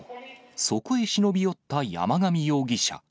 そこへ忍び寄った山上容疑者。